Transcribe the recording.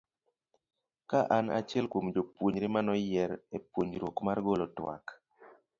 ka an achiel kuom jopuonjre maneoyier e puonjruok mar golo twak